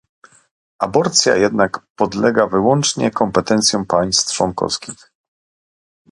Aborcja jednak podlega wyłącznie kompetencjom państw członkowskich